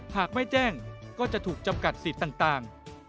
หากไม่แจ้งก็จะถูกจำกัดสิทธิ์ต่าง